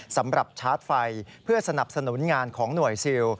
สำหรับชาร์จไฟเพื่อสนับสนุนงานของหน่วยซิล